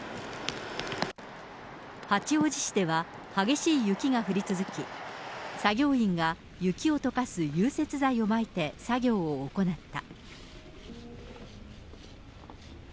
八王子市では激しい雪が降り続き、作業員が雪をとかす融雪剤をまいて作業を行った。